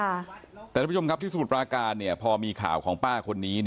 แต่ทุกผู้ชมครับที่สมุทรปราการพอมีข่าวของป้าคนนี้